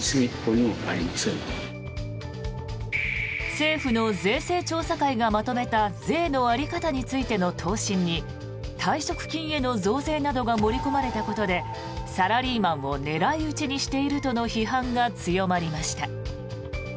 政府の税制調査会がまとめた税の在り方についての答申に退職金への増税などが盛り込まれたことでサラリーマンを狙い撃ちにしているとの批判が強まりました。